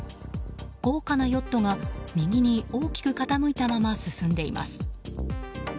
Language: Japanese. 豪華なヨットが右に大きく傾いたまま進んでいます。